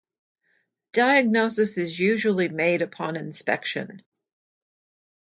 Diagnosis is usually made upon inspection.